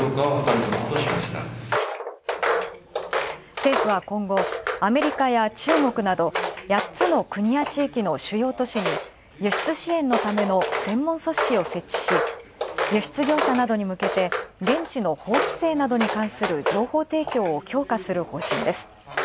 政府は今後、アメリカや中国など８つの国や地域の主要都市に輸出支援のための専門組織を設置し、輸出業者などに向けて、現地の法規制などに関する情報提供を強化する方針です。